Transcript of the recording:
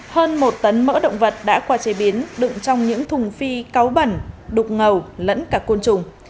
hơn một tấn mỡ động vật đã qua chế biến đựng trong những thùng phi cấu bẩn đục ngầu lẫn cả côn trùng